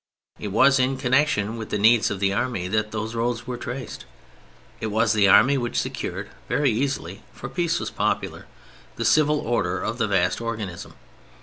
It was in connection with the needs of the Army that those roads were traced. It was the Army which secured (very easily, for peace was popular) the civil order of the vast organism.